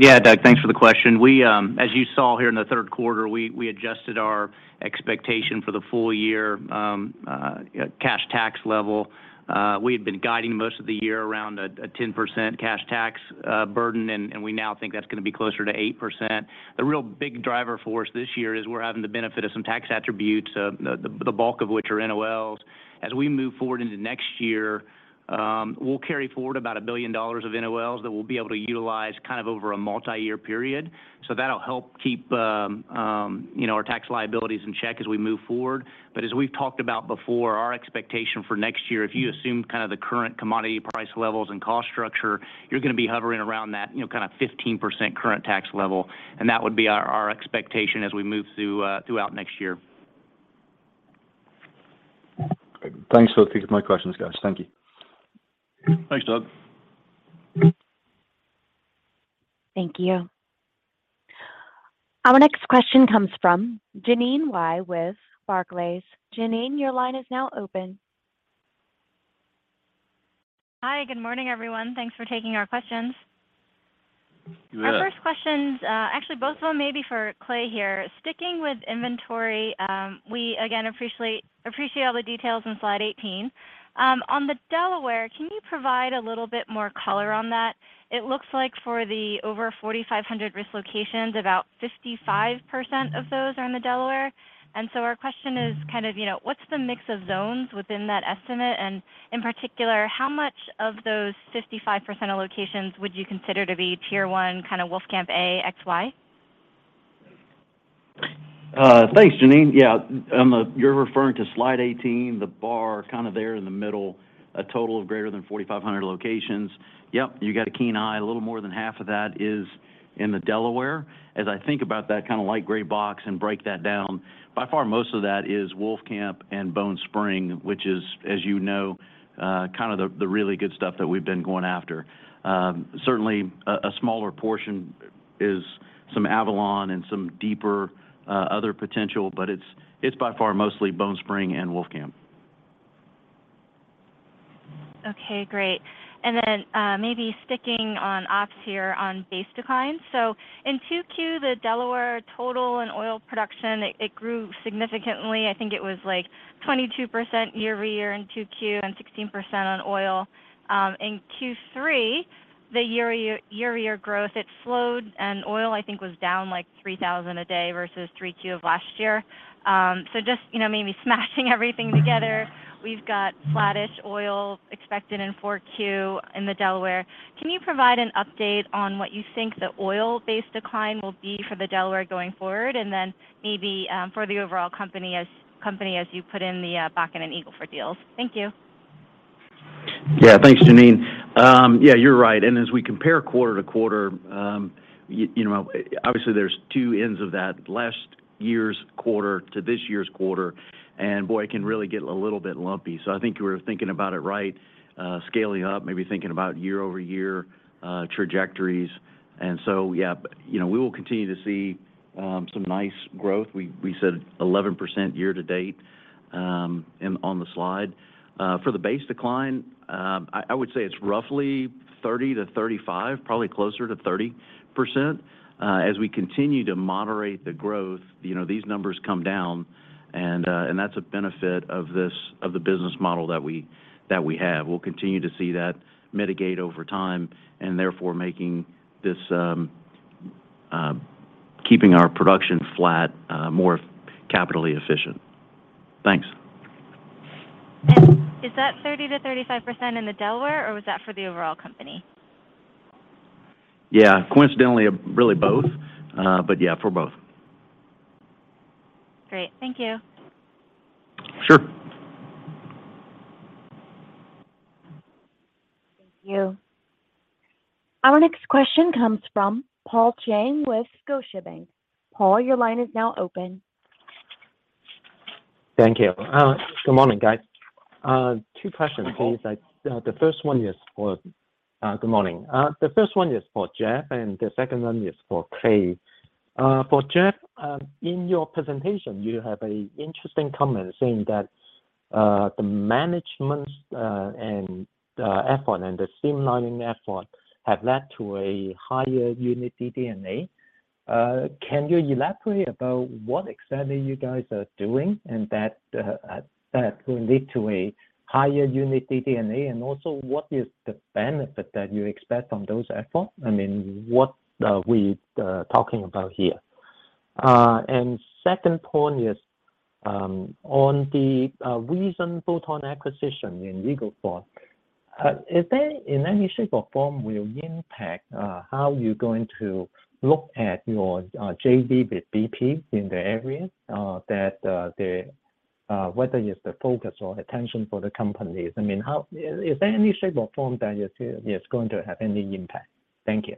[SPEAKER 5] Yeah, Doug, thanks for the question. As you saw here in the third quarter, we adjusted our expectation for the full year cash tax level. We had been guiding most of the year around a 10% cash tax burden, and we now think that's gonna be closer to 8%. The real big driver for us this year is we're having the benefit of some tax attributes, the bulk of which are NOLs. As we move forward into next year, we'll carry forward about $1 billion of NOLs that we'll be able to utilize kind of over a multi-year period. That'll help keep you know, our tax liabilities in check as we move forward. As we've talked about before, our expectation for next year, if you assume kind of the current commodity price levels and cost structure, you're gonna be hovering around that, you know, kind of 15% current tax level, and that would be our expectation as we move throughout next year.
[SPEAKER 8] Great. Thanks for those. Those are my questions, guys. Thank you.
[SPEAKER 2] Thanks, Doug.
[SPEAKER 1] Thank you. Our next question comes from Jeanine Wai with Barclays. Jeanine, your line is now open.
[SPEAKER 9] Hi. Good morning, everyone. Thanks for taking our questions.
[SPEAKER 4] Good.
[SPEAKER 9] Our first question's actually both of them may be for Clay here. Sticking with inventory, we again appreciate all the details in slide 18. On the Delaware, can you provide a little bit more color on that? It looks like for the over 4,500 risked locations, about 55% of those are in the Delaware. Our question is kind of, you know, what's the mix of zones within that estimate? And in particular, how much of those 55% of locations would you consider to be tier one, kind of Wolfcamp A, X, Y?
[SPEAKER 4] Thanks, Jeanine. Yeah. You're referring to slide 18, the bar kind of there in the middle, a total of greater than 4,500 locations. Yep, you got a keen eye. A little more than half of that is in the Delaware. As I think about that kind of light gray box and break that down, by far, most of that is Wolfcamp and Bone Spring, which is, as you know, kind of the really good stuff that we've been going after. Certainly a smaller portion is some Avalon and some deeper other potential, but it's by far mostly Bone Spring and Wolfcamp.
[SPEAKER 9] Okay, great. Maybe sticking on ops here on base decline. In 2Q, the Delaware total and oil production, it grew significantly. I think it was, like, 22% year-over-year in 2Q and 16% on oil. In Q3, the year-over-year growth, it slowed, and oil, I think, was down, like, 3,000 a day versus 3Q of last year. Just, you know, maybe smashing everything together, we've got flattish oil expected in 4Q in the Delaware. Can you provide an update on what you think the oil-based decline will be for the Delaware going forward? Maybe, for the overall company as you put in the Bakken and Eagle Ford deals. Thank you.
[SPEAKER 4] Yeah. Thanks, Jeanine. Yeah, you're right. As we compare quarter-to-quarter, you know, obviously there's two ends of that last year's quarter to this year's quarter, and boy, it can really get a little bit lumpy. I think you were thinking about it right, scaling up, maybe thinking about year-over-year trajectories. Yeah, you know, we will continue to see some nice growth. We said 11% year to date, in on the slide. For the base decline, I would say it's roughly 30-35, probably closer to 30%. As we continue to moderate the growth, you know, these numbers come down and that's a benefit of this, of the business model that we have. We'll continue to see that mitigate over time, and therefore making this, keeping our production flat, more capital efficient. Thanks.
[SPEAKER 9] Is that 30%-35% in the Delaware, or was that for the overall company?
[SPEAKER 4] Yeah. Coincidentally, really both. Yeah, for both.
[SPEAKER 9] Great. Thank you.
[SPEAKER 4] Sure.
[SPEAKER 1] Thank you. Our next question comes from Paul Cheng with Scotiabank. Paul, your line is now open.
[SPEAKER 10] Thank you. Good morning, guys. Two questions, please. The first one is for Jeff, and the second one is for Clay. For Jeff, in your presentation, you have an interesting comment saying that The management and streamlining effort have led to a higher unit DD&A. Can you elaborate about what exactly you guys are doing and that that will lead to a higher unit DD&A? Also what is the benefit that you expect from those effort? I mean, what are we talking about here? Second point is, on the recent Validus acquisition in Eagle Ford, is there in any shape or form will impact how you're going to look at your JV with BP in the area? That, the whether it's the focus or attention for the companies. I mean, how? Is there any shape or form that you feel is going to have any impact? Thank you.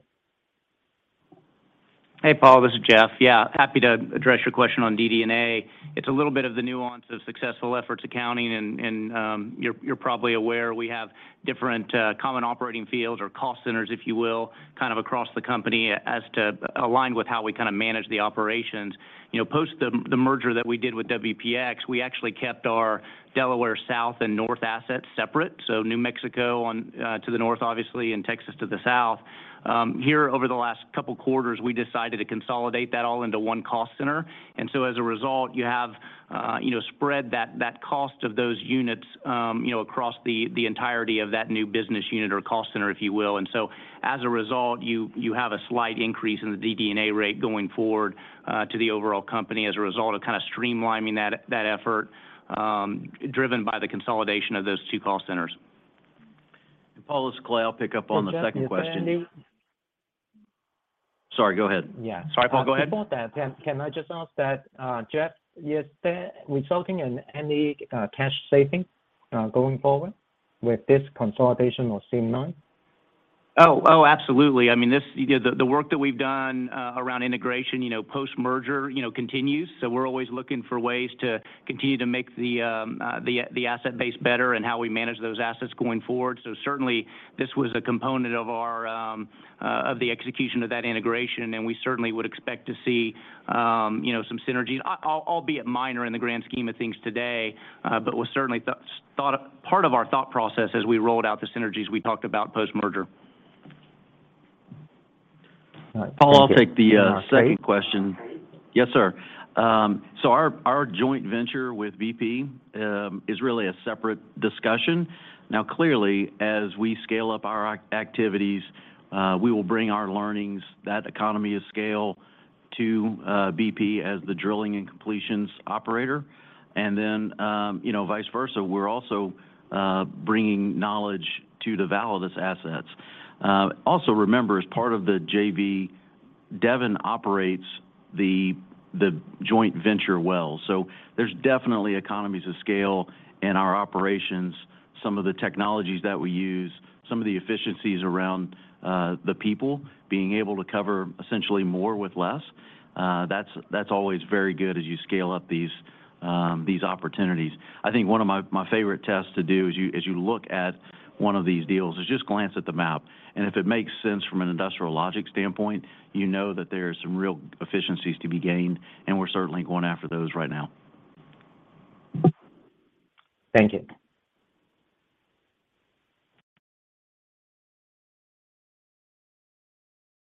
[SPEAKER 5] Hey, Paul, this is Jeff. Yeah, happy to address your question on DD&A. It's a little bit of the nuance of Successful Efforts Accounting and you're probably aware we have different common operating fields or cost centers, if you will, kind of across the company as to align with how we kind of manage the operations. You know, post the merger that we did with WPX, we actually kept our Delaware South and North assets separate. New Mexico on to the north, obviously, and Texas to the south. Here over the last couple quarters, we decided to consolidate that all into one cost center. As a result, you have, you know, spread that cost of those units, you know, across the entirety of that new business unit or cost center, if you will. As a result, you have a slight increase in the DD&A rate going forward to the overall company as a result of kind of streamlining that effort, driven by the consolidation of those two call centers.
[SPEAKER 4] Paul, this is Clay. I'll pick up on the second question.
[SPEAKER 10] Yeah, Jeff, is there any? Sorry, go ahead. Yeah. Sorry, Paul, go ahead. About that, can I just ask that, Jeff, is there resulting in any cash saving going forward with this consolidation or streamline?
[SPEAKER 5] Oh, absolutely. I mean, this you know the work that we've done around integration you know post-merger you know continues. We're always looking for ways to continue to make the asset base better and how we manage those assets going forward. Certainly this was a component of our execution of that integration. We certainly would expect to see you know some synergies albeit minor in the grand scheme of things today but was certainly part of our thought process as we rolled out the synergies we talked about post-merger.
[SPEAKER 10] All right. Thank you.
[SPEAKER 4] Paul, I'll take the second question.
[SPEAKER 10] Clay?
[SPEAKER 4] Yes, sir. So our joint venture with BP is really a separate discussion. Now, clearly, as we scale up our activities, we will bring our learnings, that economy of scale to BP as the drilling and completions operator. Then, you know, vice versa. We're also bringing knowledge to the Validus assets. Also remember, as part of the JV, Devon operates the joint venture well. So there's definitely economies of scale in our operations. Some of the technologies that we use, some of the efficiencies around the people being able to cover essentially more with less, that's always very good as you scale up these opportunities. I think one of my favorite tests to do is, as you look at one of these deals, just glance at the map. If it makes sense from an industrial logic standpoint, you know that there's some real efficiencies to be gained, and we're certainly going after those right now.
[SPEAKER 10] Thank you.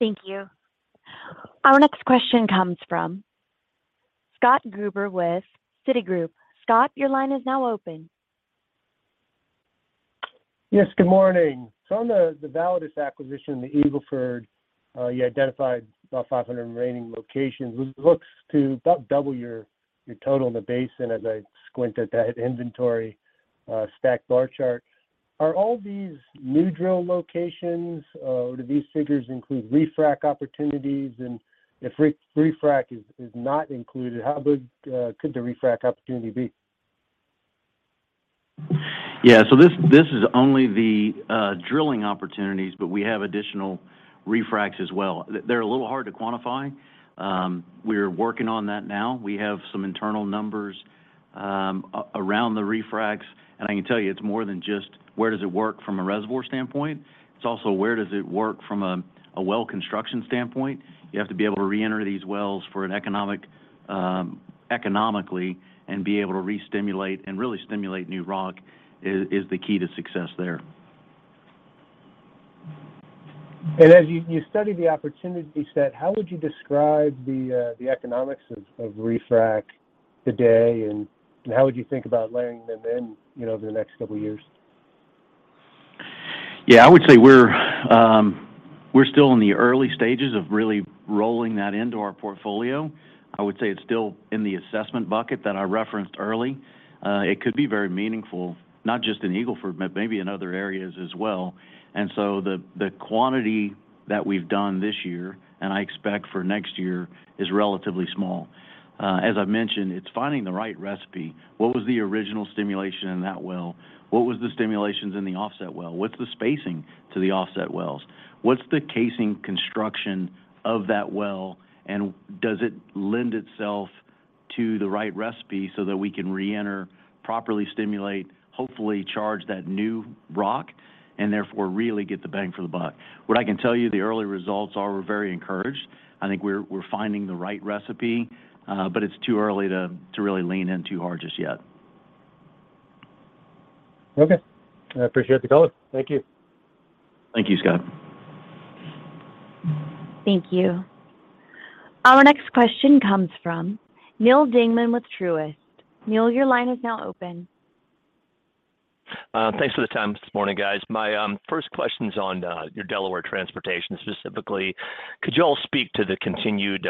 [SPEAKER 1] Thank you. Our next question comes from Scott Gruber with Citigroup. Scott, your line is now open.
[SPEAKER 11] Yes, good morning. On the Validus acquisition, the Eagle Ford, you identified about 500 remaining locations, which looks to about double your total in the basin as I squint at that inventory, stacked bar chart. Are all these new drill locations, do these figures include refrac opportunities? And if refrac is not included, how big could the refrac opportunity be?
[SPEAKER 4] Yeah. This is only the drilling opportunities, but we have additional refracs as well. They're a little hard to quantify. We're working on that now. We have some internal numbers around the refracs. I can tell you, it's more than just where does it work from a reservoir standpoint. It's also where does it work from a well construction standpoint. You have to be able to reenter these wells for an economic, economically and be able to restimulate and really stimulate new rock is the key to success there.
[SPEAKER 11] As you study the opportunity set, how would you describe the economics of refrac today, and how would you think about layering them in, you know, over the next couple of years?
[SPEAKER 4] Yeah, I would say we're still in the early stages of really rolling that into our portfolio. I would say it's still in the assessment bucket that I referenced early. It could be very meaningful, not just in Eagle Ford, but maybe in other areas as well. The quantity that we've done this year, and I expect for next year, is relatively small. As I mentioned, it's finding the right recipe. What was the original stimulation in that well? What was the stimulations in the offset well? What's the spacing to the offset wells? What's the casing construction of that well? And does it lend itself to the right recipe so that we can reenter, properly stimulate, hopefully charge that new rock, and therefore really get the bang for the buck? What I can tell you, the early results are we're very encouraged. I think we're finding the right recipe, but it's too early to really lean in too hard just yet.
[SPEAKER 11] Okay. I appreciate the call. Thank you.
[SPEAKER 5] Thank you, Scott.
[SPEAKER 1] Thank you. Our next question comes from Neal Dingmann with Truist. Neal, your line is now open.
[SPEAKER 12] Thanks for the time this morning, guys. My first question's on your Delaware transportation. Specifically, could you all speak to the continued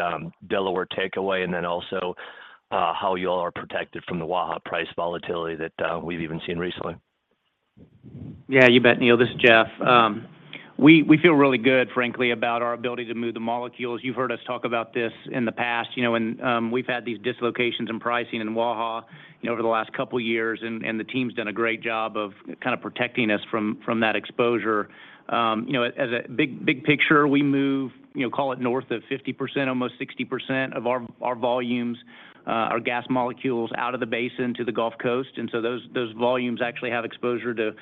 [SPEAKER 12] Delaware takeaway and then also how you all are protected from the Waha price volatility that we've even seen recently?
[SPEAKER 5] Yeah, you bet, Neal. This is Jeff. We feel really good frankly about our ability to move the molecules. You've heard us talk about this in the past, you know, and we've had these dislocations in pricing in Waha, you know, over the last couple years and the team's done a great job of kind of protecting us from that exposure. You know, as a big picture we move, you know, call it north of 50%, almost 60% of our volumes, our gas molecules out of the basin to the Gulf Coast. Those volumes actually have exposure to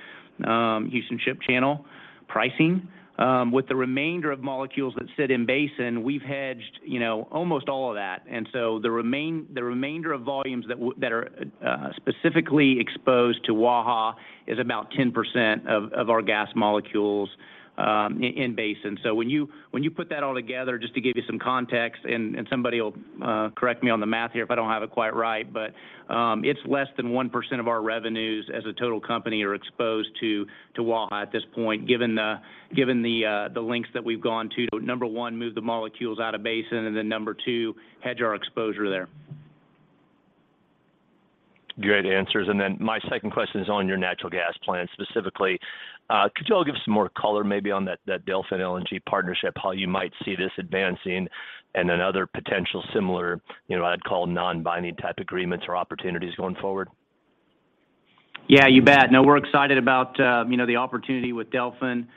[SPEAKER 5] Houston Ship Channel pricing. With the remainder of molecules that sit in basin, we've hedged, you know, almost all of that. The remainder of volumes that are specifically exposed to Waha is about 10% of our gas molecules in basin. When you put that all together, just to give you some context, and somebody will correct me on the math here if I don't have it quite right. It's less than 1% of our revenues as a total company are exposed to Waha at this point, given the lengths that we've gone to, number one, move the molecules out of basin, and then number two, hedge our exposure there.
[SPEAKER 12] Great answers. My second question is on your natural gas plan. Specifically, could y'all give some more color maybe on that Delfin LNG partnership, how you might see this advancing and then other potential similar, you know, I'd call non-binding type agreements or opportunities going forward?
[SPEAKER 5] Yeah, you bet. No, we're excited about the opportunity with Delfin.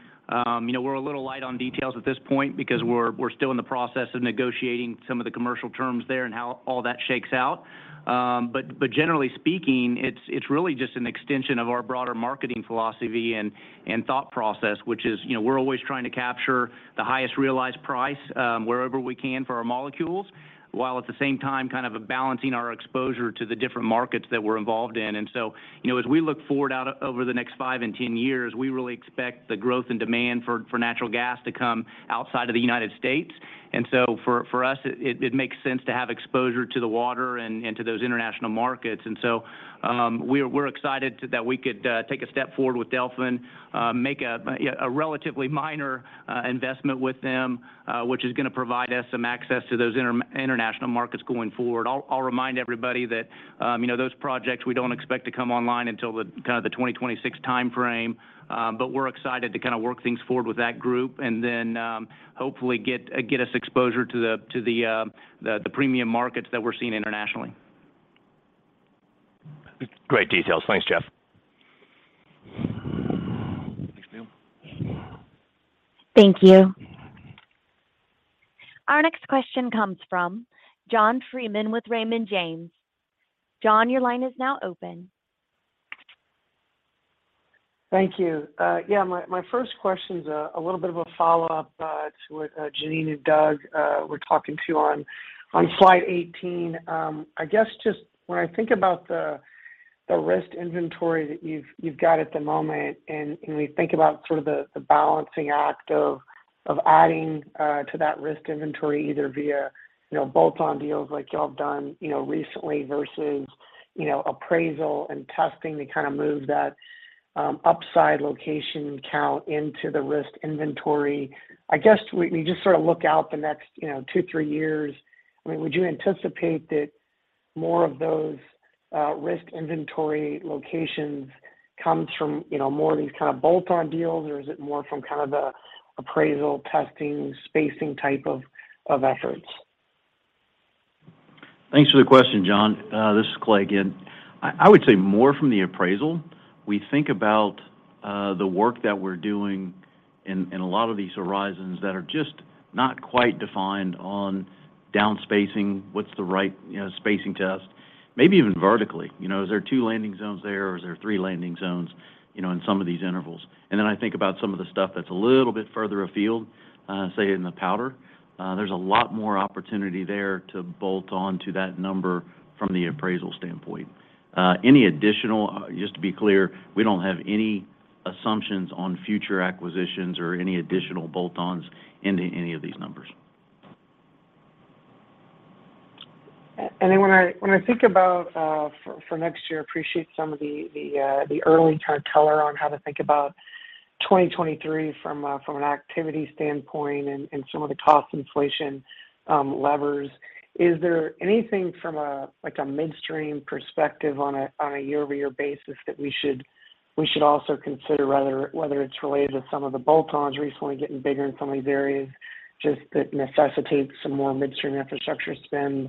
[SPEAKER 5] You know, we're a little light on details at this point because we're still in the process of negotiating some of the commercial terms there and how all that shakes out. Generally speaking, it's really just an extension of our broader marketing philosophy and thought process, which is, you know, we're always trying to capture the highest realized price wherever we can for our molecules. While at the same time kind of balancing our exposure to the different markets that we're involved in. You know, as we look forward out over the next 5 and 10 years, we really expect the growth and demand for natural gas to come outside of the United States. For us it makes sense to have exposure to the LNG and to those international markets. We're excited that we could take a step forward with Delfin, make a relatively minor investment with them, which is gonna provide us some access to those international markets going forward. I'll remind everybody that, you know, those projects we don't expect to come online until the kind of the 2026 timeframe. We're excited to kind of work things forward with that group and then, hopefully get us exposure to the premium markets that we're seeing internationally.
[SPEAKER 12] Great details. Thanks, Jeff.
[SPEAKER 5] Thanks, Neal.
[SPEAKER 1] Thank you. Our next question comes from John Freeman with Raymond James. John, your line is now open.
[SPEAKER 13] Thank you. Yeah, my first question's a little bit of a follow-up to what Jeanine and Doug were talking about on slide 18. I guess just when I think about the risk inventory that you've got at the moment and we think about sort of the balancing act of adding to that risk inventory either via, you know, bolt-on deals like y'all have done, you know, recently versus, you know, appraisal and testing to kind of move that upside location count into the risk inventory. I guess when you just sort of look out the next, you know, 2, 3 years, I mean, would you anticipate that more of those risk inventory locations comes from, you know, more of these kind of bolt-on deals? Is it more from kind of the appraisal testing, spacing type of efforts?
[SPEAKER 4] Thanks for the question, John. This is Clay again. I would say more from the appraisal. We think about the work that we're doing in a lot of these horizons that are just not quite defined on down spacing, what's the right, you know, spacing test. Maybe even vertically, you know? Is there two landing zones there or is there three landing zones, you know, in some of these intervals? I think about some of the stuff that's a little bit further afield, say in the Powder. There's a lot more opportunity there to bolt on to that number from the appraisal standpoint. Just to be clear, we don't have any assumptions on future acquisitions or any additional bolt-ons into any of these numbers.
[SPEAKER 13] When I think about for next year, I appreciate some of the early kind of color on how to think about 2023 from an activity standpoint and some of the cost inflation levers. Is there anything from a like a midstream perspective on a year-over-year basis that we should also consider, whether it's related to some of the bolt-ons recently getting bigger in some of these areas, just that necessitates some more midstream infrastructure spend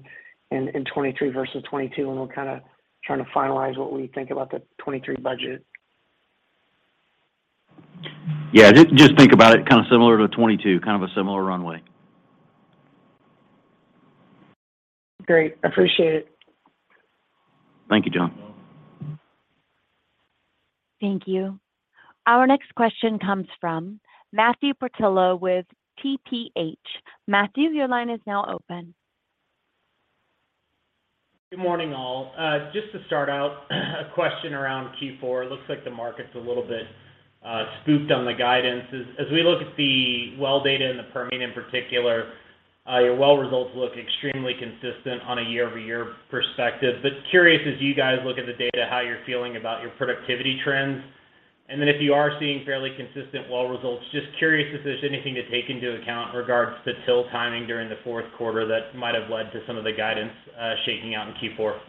[SPEAKER 13] in 2023 versus 2022? We're kind of trying to finalize what we think about the 2023 budget.
[SPEAKER 5] Yeah. Just think about it kind of similar to 2022. Kind of a similar runway.
[SPEAKER 13] Great. Appreciate it.
[SPEAKER 5] Thank you, John.
[SPEAKER 1] Thank you. Our next question comes from Matthew Portillo with TPH&Co. Matthew, your line is now open.
[SPEAKER 14] Good morning, all. Just to start out, a question around Q4. Looks like the market's a little bit spooked on the guidance. As we look at the well data in the Permian in particular, your well results look extremely consistent on a year-over-year perspective. But curious, as you guys look at the data, how you're feeling about your productivity trends. Then if you are seeing fairly consistent well results, just curious if there's anything to take into account in regards to drill timing during the fourth quarter that might have led to some of the guidance shaking out in Q4.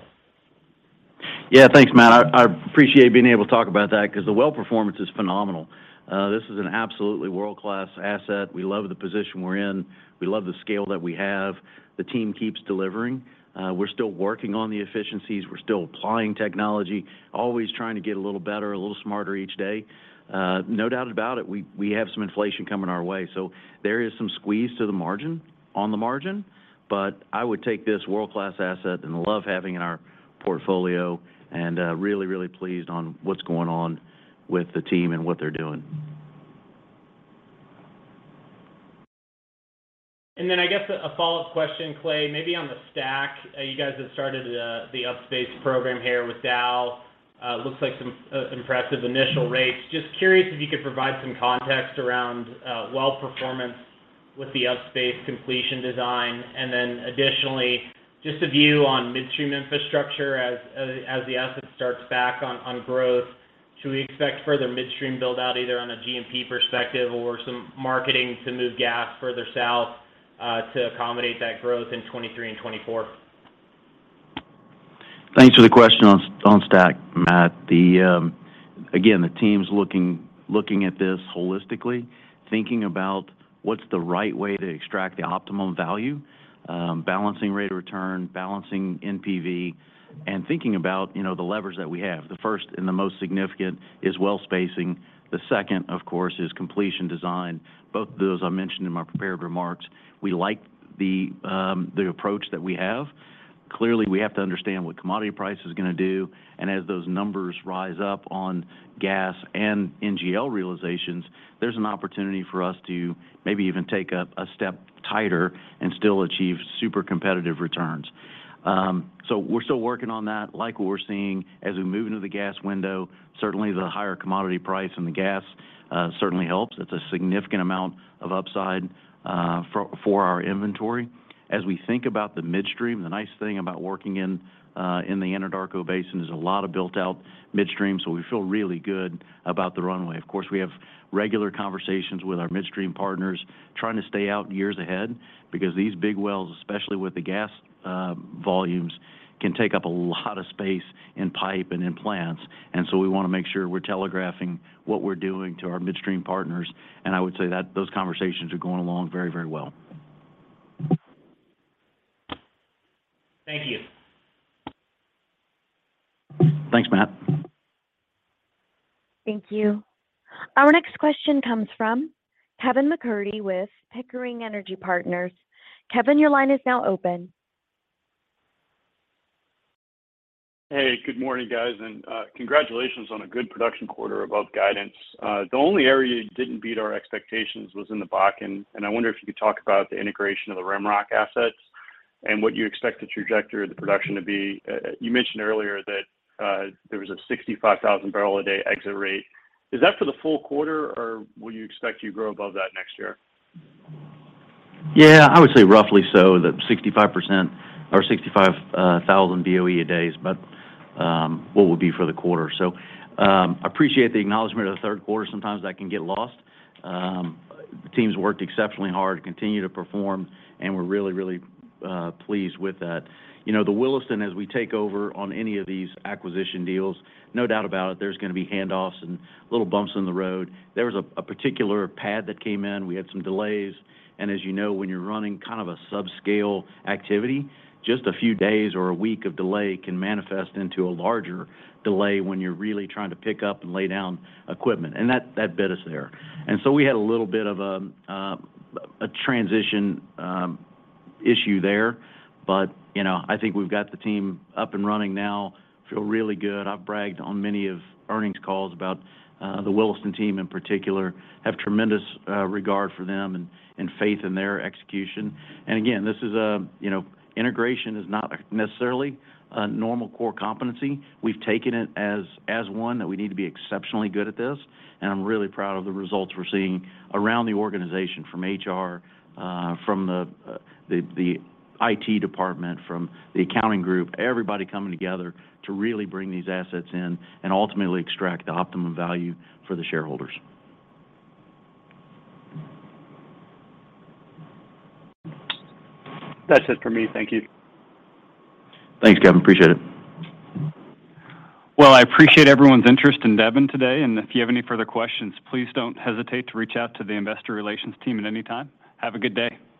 [SPEAKER 4] Yeah. Thanks, Matt. I appreciate being able to talk about that 'cause the well performance is phenomenal. This is an absolutely world-class asset. We love the position we're in. We love the scale that we have. The team keeps delivering. We're still working on the efficiencies. We're still applying technology, always trying to get a little better, a little smarter each day. No doubt about it, we have some inflation coming our way, so there is some squeeze to the margin, on the margin. I would take this world-class asset and love having it in our portfolio and really, really pleased on what's going on with the team and what they're doing.
[SPEAKER 14] I guess a follow-up question, Clay, maybe on the STACK. You guys have started the upspace program here with Dow. Looks like some impressive initial rates. Just curious if you could provide some context around well performance with the upspace completion design. Additionally, just a view on midstream infrastructure as the asset starts back on growth. Should we expect further midstream build-out, either on a G&P perspective or some marketing to move gas further south to accommodate that growth in 2023 and 2024?
[SPEAKER 4] Thanks for the question on STACK, Matt. Again, the team's looking at this holistically, thinking about what's the right way to extract the optimum value. Balancing rate of return, balancing NPV, and thinking about, you know, the levers that we have. The first and the most significant is well spacing. The second, of course, is completion design. Both of those I mentioned in my prepared remarks. We like the approach that we have. Clearly, we have to understand what commodity price is gonna do. As those numbers rise up on gas and NGL realizations, there's an opportunity for us to maybe even take a step tighter and still achieve super competitive returns. We're still working on that. Like what we're seeing as we move into the gas window, certainly the higher commodity price in the gas certainly helps. It's a significant amount of upside for our inventory. As we think about the midstream, the nice thing about working in the Anadarko Basin is a lot of built-out midstream, so we feel really good about the runway. Of course, we have regular conversations with our midstream partners, trying to stay out years ahead because these big wells, especially with the gas volumes, can take up a lot of space in pipe and in plants. We wanna make sure we're telegraphing what we're doing to our midstream partners. I would say that those conversations are going along very, very well.
[SPEAKER 14] Thank you.
[SPEAKER 4] Thanks, Matt.
[SPEAKER 1] Thank you. Our next question comes from Kevin MacCurdy with Pickering Energy Partners. Kevin, your line is now open.
[SPEAKER 15] Hey. Good morning, guys. Congratulations on a good production quarter above guidance. The only area you didn't beat our expectations was in the Bakken. I wonder if you could talk about the integration of the RimRock assets and what you expect the trajectory of the production to be. You mentioned earlier that there was a 65,000 barrel a day exit rate. Is that for the full quarter, or will you expect to grow above that next year?
[SPEAKER 4] Yeah. I would say roughly so, the 65% or 65 thousand BOE a day is about what would be for the quarter. Appreciate the acknowledgement of the third quarter. Sometimes that can get lost. The team's worked exceptionally hard to continue to perform, and we're really pleased with that. You know, the Williston, as we take over on any of these acquisition deals, no doubt about it, there's gonna be handoffs and little bumps in the road. There was a particular pad that came in. We had some delays. As you know, when you're running kind of a subscale activity, just a few days or a week of delay can manifest into a larger delay when you're really trying to pick up and lay down equipment. That bit us there. We had a little bit of a transition issue there. You know, I think we've got the team up and running now, feel really good. I've bragged on many of earnings calls about the Williston team in particular, have tremendous regard for them and faith in their execution. This is a, you know, integration is not necessarily a normal core competency. We've taken it as one that we need to be exceptionally good at this, and I'm really proud of the results we're seeing around the organization from HR, from the IT department, from the accounting group, everybody coming together to really bring these assets in and ultimately extract the optimum value for the shareholders.
[SPEAKER 15] That's it for me. Thank you.
[SPEAKER 4] Thanks, Kevin. Appreciate it.
[SPEAKER 14] Well, I appreciate everyone's interest in Devon today. If you have any further questions, please don't hesitate to reach out to the investor relations team at any time. Have a good day. Thank you.